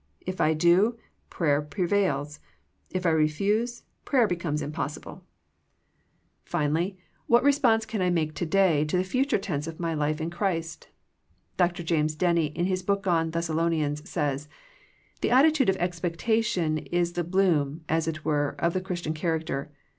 If I do, prayer pre vails. If I refuse, prayer becomes impossible. THE PEEPAEATION FOE PEAYEE 57 Finally, what response can I make to day to the future tense of my life in Christ ? Dr. James Denney in his book on Thessalonians says, " The attitude of expectation is the bloom, as it were, of the Christian character.